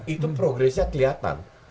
itu progressnya kelihatan